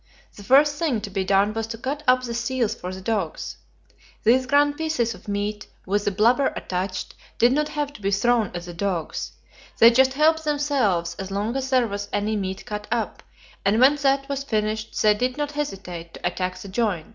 The first thing to be done was to cut up the seals for the dogs. These grand pieces of meat, with the blubber attached, did not have to be thrown at the dogs; they just helped themselves as long as there was any meat cut up, and when that was finished, they did not hesitate to attack the "joint."